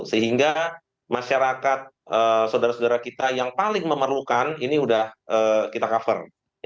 sehingga masyarakat saudara saudara kita yang paling memerlukan ini sudah kita cover